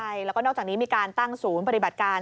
ใช่แล้วก็นอกจากนี้มีการตั้งศูนย์ปฏิบัติการ